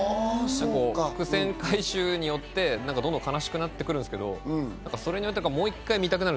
伏線回収によってだんだん悲しくなってくるんですけど、それによってもう１回見たくなる。